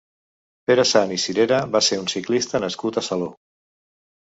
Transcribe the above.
Pere Sant i Cirera va ser un ciclista nascut a Salo.